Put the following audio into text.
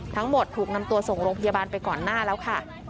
ถูกนำตัวส่งโรงพยาบาลไปก่อนหน้าแล้วค่ะ